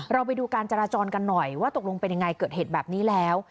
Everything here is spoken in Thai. เราไปดูการจราจรกันหน่อยว่าตกลงเป็นยังไงเกิดเหตุแบบนี้แล้ว